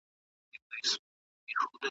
آيا پر ميرمن باندي د خاوند پلار حرام دی؟